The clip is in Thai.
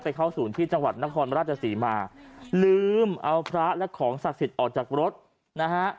เข้าศูนย์ที่จังหวัดนครราชศรีมาลืมเอาพระและของศักดิ์สิทธิ์ออกจากรถนะฮะ